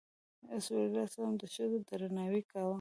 رسول الله د ښځو درناوی کاوه.